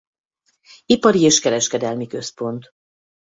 Ipari és kereskedelmi központ.